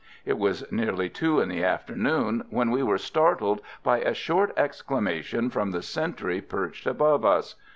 It was nearly two in the afternoon when we were startled by a short exclamation from the sentry perched above us.